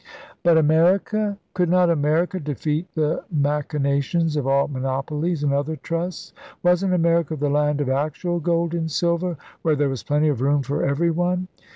But America? Could not America defeat the machinations of all monopolies and other trusts? Wasn't America the land of actual gold and silver where there was plenty of room for everyone?